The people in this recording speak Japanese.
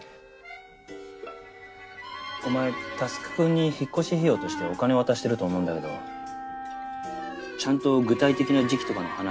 お前佑くんに引っ越し費用としてお金渡してると思うんだけどちゃんと具体的な時期とかの話し合いはしてるのか？